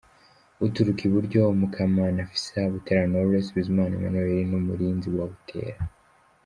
Uturuka iburyo: Mukamana Afsa, Butera Knowless, Bizimana Emmanuel n'umurinzi wa Butera.